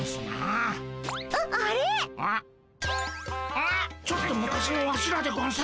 あっちょっと昔のワシらでゴンス。